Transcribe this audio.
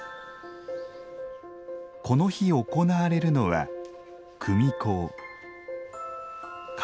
この日行われるのは「組香」。